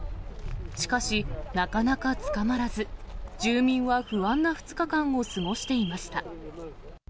しかし、なかなか捕まらず、住民は不安な２日間を過ごしていました。